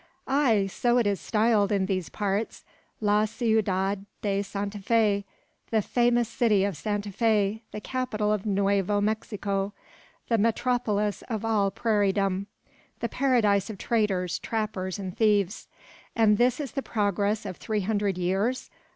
"Ay, so it is styled in these parts: `la ciudad de Santa Fe;' the famous city of Santa Fe; the capital of Nuevo Mexico; the metropolis of all prairiedom; the paradise of traders, trappers, and thieves!" "And this is the progress of three hundred years!